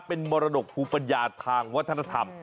เป็นมรดกภูมิปัญญาทางวัฒนธรรม